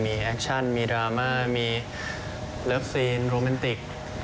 มีแอคชั่นมีดราม่ามีเลิฟซีนโรแมนติก